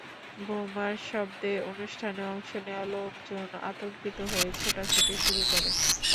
বোমার শব্দে অনুষ্ঠানে অংশ নেওয়া লোকজন আতঙ্কিত হয়ে ছোটাছুটি শুরু করে।